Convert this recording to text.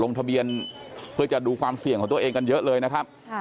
ลงทะเบียนเพื่อจะดูความเสี่ยงของตัวเองกันเยอะเลยนะครับ